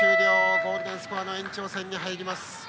ゴールデンスコアの延長戦に入ります。